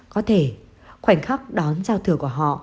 có thể khoảnh khắc đón giao thừa của họ